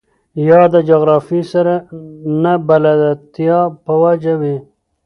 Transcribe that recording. يا د جغرافيې سره نه بلدتيا په وجه وي.